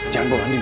jangan bawa andi